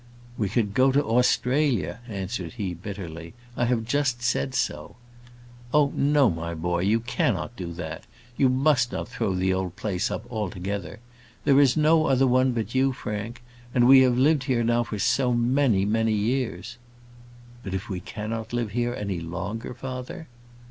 "We would go to Australia," answered he, bitterly. "I have just said so." "Oh, no, my boy; you cannot do that. You must not throw the old place up altogether. There is no other one but you, Frank; and we have lived here now for so many, many years." "But if we cannot live here any longer, father?"